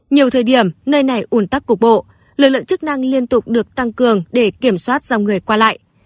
nhiều thời điểm nơi này ủn tắc cục bộ lực lượng chức năng liên tục được tăng cường để kiểm soát dòng người qua lại